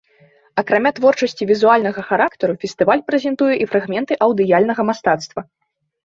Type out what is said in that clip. Акрамя творчасці візуальнага характару, фестываль прэзентуе і фрагменты аўдыяльнага мастацтва.